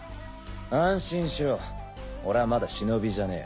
安心しろ俺はまだ忍じゃねえ。